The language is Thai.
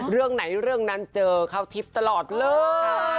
เรื่องไหนเรื่องนั้นเจอเข้าทิพย์ตลอดเลย